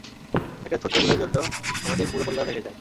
একটা ছোট্ট ভুলের জন্য আমাদের পুরো পরিবার ভেঙে যায়।